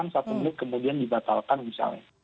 satu menit kemudian dibatalkan misalnya